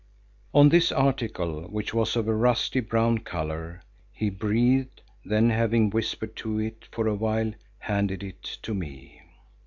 On this article, which was of a rusty brown colour, he breathed, then having whispered to it for a while, handed it to me.